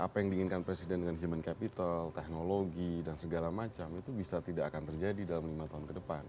apa yang diinginkan presiden dengan human capital teknologi dan segala macam itu bisa tidak akan terjadi dalam lima tahun ke depan